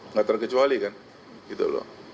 nggak terkecuali kan gitu loh